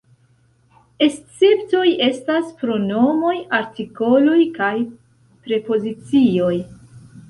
Esceptoj estas pronomoj, artikoloj kaj prepozicioj.